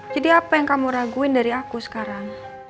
jadi apa yang kamu raguin dari aku sekarang